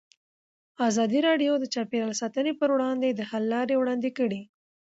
ازادي راډیو د چاپیریال ساتنه پر وړاندې د حل لارې وړاندې کړي.